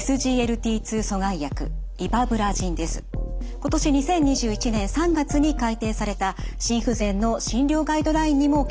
今年２０２１年３月に改訂された心不全の診療ガイドラインにも掲載されています。